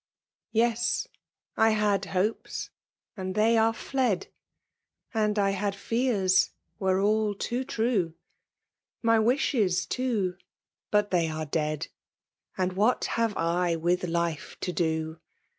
Tes ! I had hopes, and they are fled ; And I had fean, wete all too tine ; My wiahesj too, — ^but they are dead — And what have I with life to do